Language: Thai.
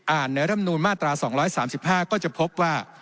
อ่านในรัฐธรรมนูลมาตรา๒๓๕ก็จะพบว่า